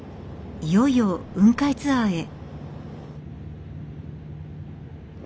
いよいよ雲海ツアーへ。